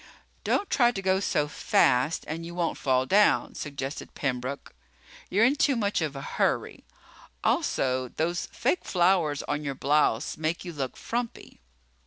"Don't try to go so fast and you won't fall down," suggested Pembroke. "You're in too much of a hurry. Also those fake flowers on your blouse make you look frumpy."